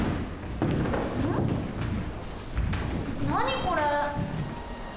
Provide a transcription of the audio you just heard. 何これ？